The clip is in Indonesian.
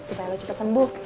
supaya lo cepet sembuh